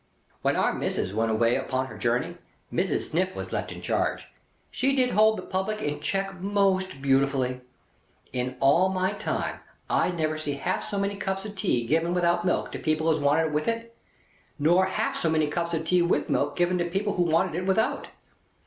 When Our Missis went away upon her journey, Mrs. Sniff was left in charge. She did hold the public in check most beautiful! In all my time, I never see half so many cups of tea given without milk to people as wanted it with, nor half so many cups of tea with milk given to people as wanted it without.